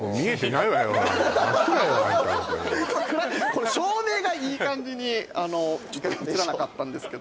この照明がいい感じにあのちょっと写らなかったんですけど